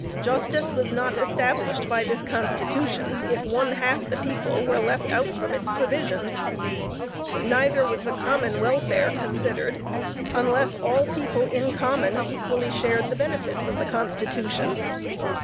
Justice was not established by this Constitution if one half the people were left out from its provisions, neither was the common welfare considered unless all people in common, equally shared the benefits of the Constitution.